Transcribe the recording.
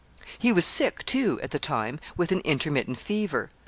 ] He was sick, too, at the time, with an intermittent fever.